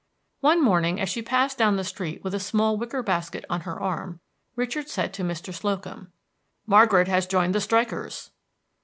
One morning as she passed down the street with a small wicker basket on her arm, Richard said to Mr. Slocum, "Margaret has joined the strikers."